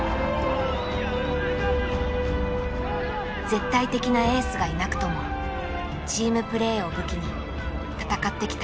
絶対的なエースがいなくともチームプレーを武器に戦ってきた。